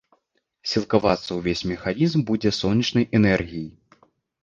Сілкавацца ўвесь механізм будзе сонечнай энергій.